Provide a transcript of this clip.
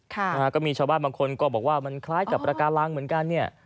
ค่ะนะฮะก็มีชาวบ้านบางคนก็บอกว่ามันคล้ายกับประการังเหมือนกันเนี่ย